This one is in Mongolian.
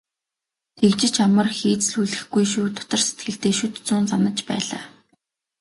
"Тэгж ч амар хийцлүүлэхгүй шүү" дотор сэтгэлдээ шүд зуун занаж байлаа.